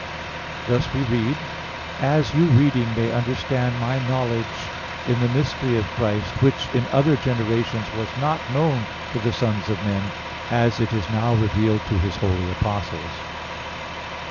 Thus we read (Eph. 3:4, 5): "As you reading, may understand my knowledge in the mystery of Christ, which in other generations was not known to the sons of men, as it is now revealed to His holy apostles."